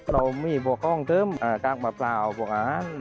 เรามีพวกห้องเทิมกลางเปล่าพวกอาหาร